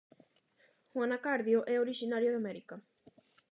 O anacardio é orixinario de América.